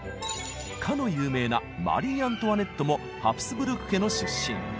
かの有名なマリー・アントワネットもハプスブルク家の出身。